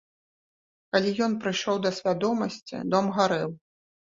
Калі ён прыйшоў да свядомасці, дом гарэў.